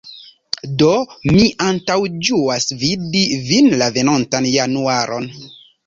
Do, mi antaŭĝuas vidi vin la venonta januaro.